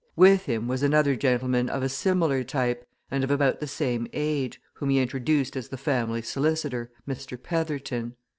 With him was another gentleman of a similar type, and of about the same age, whom he introduced as the family solicitor, Mr. Petherton.